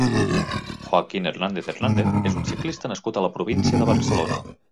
Joaquín Hernández Hernández és un ciclista nascut a la província de Barcelona.